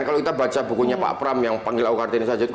kalau kita baca bukunya pak pram yang panggil aw kartini saja itu